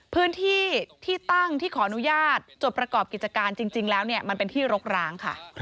พื้นที่ที่ตั้งที่ขออนุญาตจดประกอบกิจการจริงแล้วมันเป็นที่รกร้างค่ะ